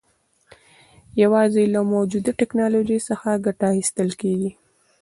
یوازې له موجوده ټکنالوژۍ څخه ګټه اخیستل کېږي.